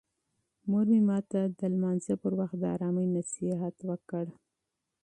مور مې ماته د لمانځه پر مهال د آرامۍ نصیحت وکړ.